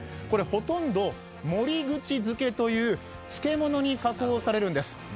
これほとんど守口漬けという漬け物に加工されるんです。